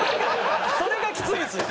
それがきついんですよ！